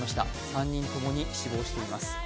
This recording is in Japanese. ３人共に死亡しています。